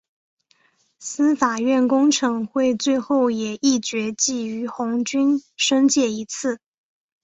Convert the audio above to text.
司法院公惩会最后也议决记俞鸿钧申诫一次。